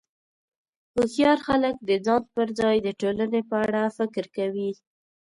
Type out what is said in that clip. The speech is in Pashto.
هوښیار خلک د ځان پر ځای د ټولنې په اړه فکر کوي.